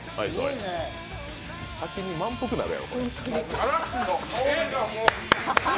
先に満腹になるやろ、これ。